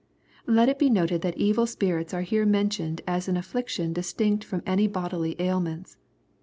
] Let it be noted that evil spirits are here mentioned as an affliction distinct from any bodily ailments.